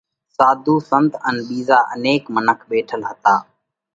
ساڌُو، سنت ان ٻِيزا انيڪ منک ٻيٺل هتا۔